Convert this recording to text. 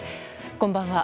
こんばんは。